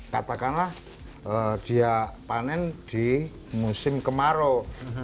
katakanlah dia panen di musim kemarau